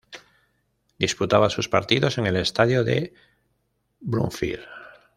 Disputaba sus partidos en el estadio de Bloomfield.